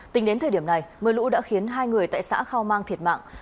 tính đến thời điểm này mưa lũ đã khiến hai người tại xã khao mang thiệt mạng